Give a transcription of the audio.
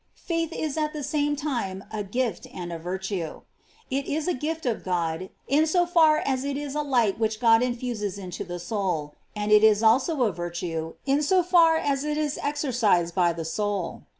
Faith is at the same time a gift and a virtue. It is a gift of God, in so far as it is a light which God infuses into the soul, and it is also a virtue in so far as it is exercised by the soul.